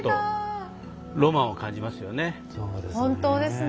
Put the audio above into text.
そうですね。